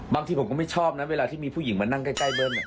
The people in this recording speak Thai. บางทีผมก็ไม่ชอบนะเวลาที่มีผู้หญิงมานั่งใกล้เบิ้ล